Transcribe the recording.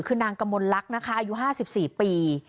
คือนางกมลลักษณ์นะคะอายุ๕๔ปี